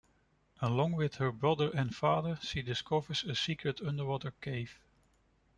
Along with her brother and father, she discovers a secret underwater cave.